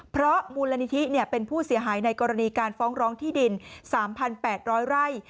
เพราะมูลนิธิเป็นผู้เสียหายในกรณีการฟ้องร้องที่ดิน๓๘๐๐ไร่